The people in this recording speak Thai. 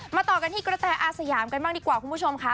ต่อกันที่กระแตอาสยามกันบ้างดีกว่าคุณผู้ชมค่ะ